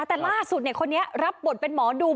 แต่ล่าสุดคนนี้รับบทเป็นหมอดู